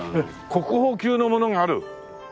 国宝級のものがある。